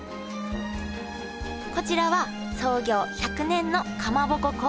こちらは創業１００年のかまぼこ